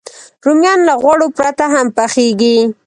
رومیان له غوړو پرته هم پخېږي